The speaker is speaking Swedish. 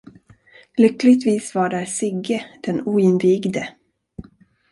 Lyckligtvis var där Sigge, den oinvigde.